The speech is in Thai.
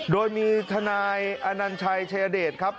โดยมีทนายอนัญชัยชายเดชครับ